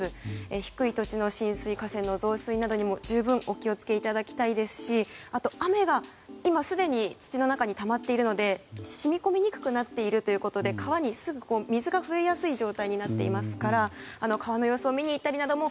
低い土地の浸水河川の増水などにも十分お気を付けいただきたいですしあとは雨が今すでに土の中にたまっているので染み込みにくくなっているということで、川の水が増えやすい状態になっていますから川の様子を見に行くなども